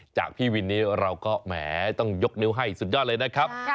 จากพี่วินนี้เราก็แหมต้องยกนิ้วให้สุดยอดเลยนะครับ